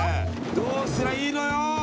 どうすりゃいいのよ！